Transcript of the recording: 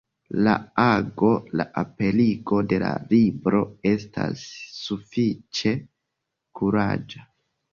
La ago, la aperigo de la libro, estas sufiĉe kuraĝa.